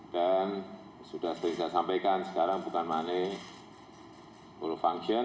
dan sudah saya sampaikan sekarang bukan mengenai follow function